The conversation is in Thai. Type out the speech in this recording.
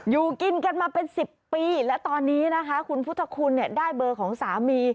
อยู่กินกันมาเป็น๑๐ปีและตอนนี้นะคะคุณพุทธคุณเนี่ยได้เบอร์ของสามี